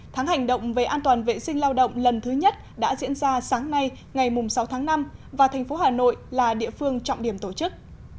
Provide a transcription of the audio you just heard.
tháng hành động về an toàn vệ sinh lao động lần thứ nhất đã diễn ra sáng nay ngày sáu tháng năm và thành phố hà nội là địa phương trọng điểm tổ chức